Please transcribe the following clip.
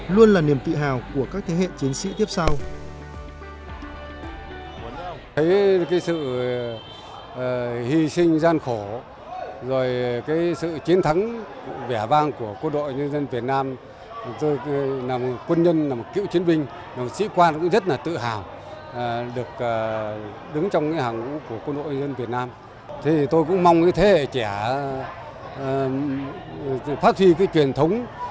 luôn là niềm tự hào của các thế hệ chiến sĩ tiếp sau